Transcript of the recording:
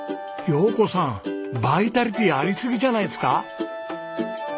洋子さんバイタリティーありすぎじゃないですか？